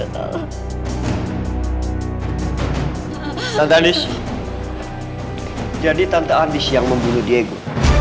tante anies jadi tante anies yang membunuh diego